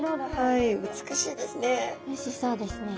おいしそうですね。